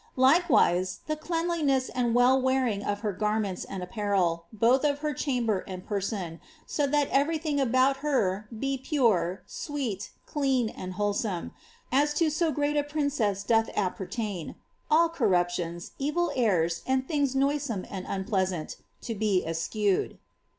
Likewise, the cleanliness and well wearing of her garments and apparel, both of her chamber and person, so that every thing about her be pure, sweet, clean, and wholesome, as to so great a princess doth appertain ; all corruptions, evil airs, and things noisome and unpleasant, to be eschewed."